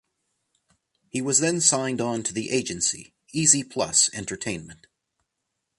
He was then signed on to the agency "Easy Plus Entertainment".